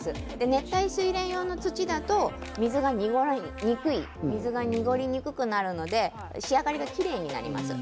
熱帯スイレン用の土だと水が濁りにくくなるので仕上がりが、きれいになります。